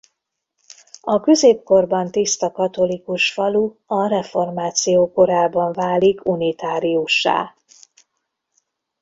A középkorban tiszta katolikus falu a reformáció korában válik unitáriussá.